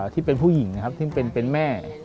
ที่เป็นผู้หญิงนะครับที่เป็นแม่